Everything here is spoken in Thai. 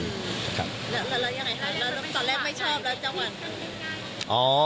แล้วยังไงครับตอนแรกไม่ชอบแล้วเจ้าหวัน